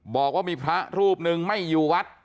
บอกว่ามีพระรูปหนึ่งไม่อยู่วัด